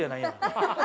ハハハハ！